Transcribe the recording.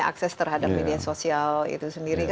akses terhadap media sosial itu sendiri